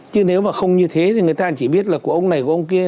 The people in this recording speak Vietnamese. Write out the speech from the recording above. chứ nếu mà không như thế thì người ta chỉ biết là của ông này của ông kia